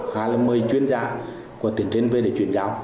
hai là mời chuyên gia của tuyển tên về để chuyển giáo